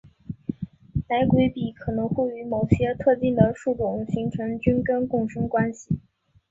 白鬼笔可能会与某些特定的树种形成菌根共生关系。